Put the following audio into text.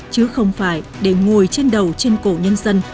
chứ không phải để ngồi trên đầu trên cổ nhân dân